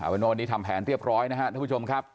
อาวุโน่วันนี้ทำแผนเรียบร้อยนะครับทุกผู้ชมครับ